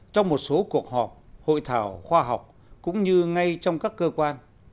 trong một số cuộc họp hội thảo khoa học cũng như ngay trong các cơ quan